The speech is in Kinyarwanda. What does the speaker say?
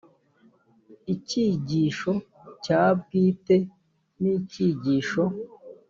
icyigisho cya bwite n icyigisho